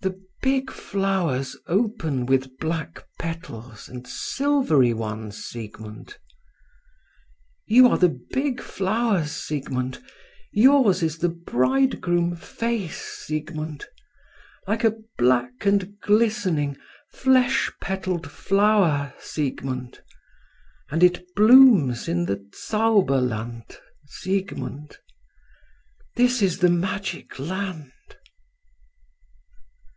"The big flowers open with black petals and silvery ones, Siegmund. You are the big flowers, Siegmund; yours is the bridegroom face, Siegmund, like a black and glistening flesh petalled flower, Siegmund, and it blooms in the Zauberland, Siegmund—this is the magic land."